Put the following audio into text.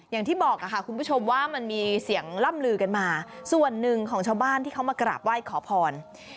อย่างที่บอกค่ะคุณผู้ชมว่ามันมีเสียงล่ำลือกันมาส่วนหนึ่งของชาวบ้านที่เขามากราบไหว้ขอพร